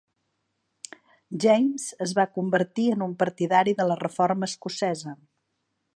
James es va convertir en un partidari de la reforma escocesa.